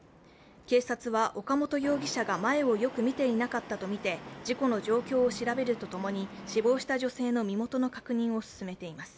警察は、岡本容疑者が前をよく見ていなかったとみて事故の状況を調べると共に死亡した女性の身元の確認を進めています。